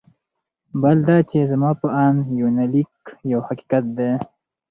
بل دا چې زما په اند یونلیک یو حقیقت دی.